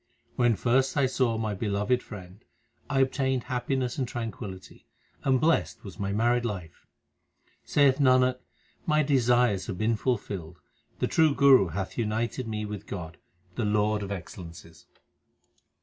When first I saw my Beloved Friend, I obtained happiness and tranquillity, and blest was my married life. Saith Nanak, my desires have been fulfilled. The true Guru hath united me with God, the Lord of excellences.